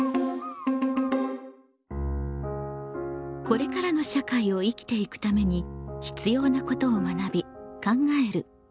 これからの社会を生きていくために必要なことを学び考える「公共」。